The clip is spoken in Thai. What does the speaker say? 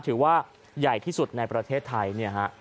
ถือว่าใหญ่ที่สุดในประเทศไทยเนี่ยฮะ